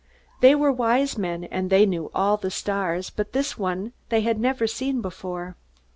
They were Wise Men, and they knew all the stars, but this one they had never seen before.